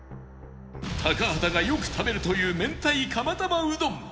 高畑がよく食べるという明太釜玉うどん